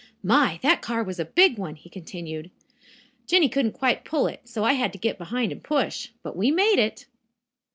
"My, that car was a big one," he continued. "Jinny couldn't quite pull it, so I had to get behind and push. But we made it."